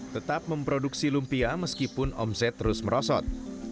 tetap memproduksi lumpia meskipun omset terus merosot